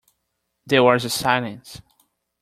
There was a silence.